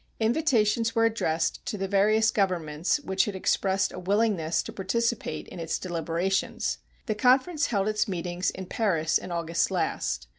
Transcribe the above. Invitations were addressed to the various governments which had expressed a willingness to participate in its deliberations. The conference held its meetings in Paris in August last.